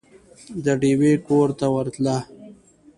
د ډېوې کور ته ورتله